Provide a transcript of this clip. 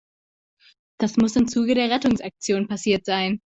Das muss im Zuge der Rettungsaktion passiert sein.